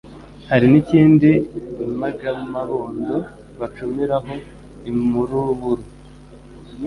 Hari n' ikindi impagamabondo bacumiraho imuruburu